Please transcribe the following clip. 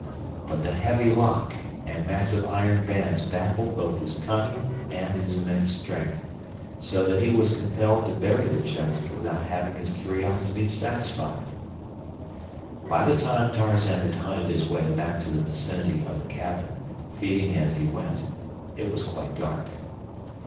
But the heavy lock and massive iron bands baffled both his cunning and his immense strength, so that he was compelled to bury the chest without having his curiosity satisfied. By the time Tarzan had hunted his way back to the vicinity of the cabin, feeding as he went, it was quite dark.